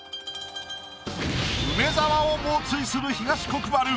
梅沢を猛追する東国原。